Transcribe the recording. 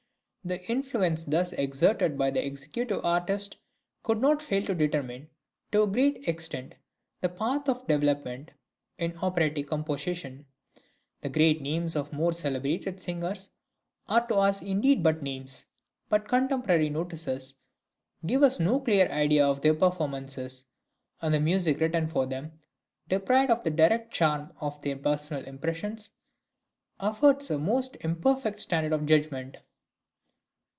The influence thus exerted by the executive artist could not fail to determine, to a great extent, the path of development in operatic composition. The great names of the more celebrated singers are to us indeed but names, for contemporary notices give us no clear idea of their performances, and the music written for them, deprived of the direct charm of their personal impression, affords a most imperfect standard of judgment.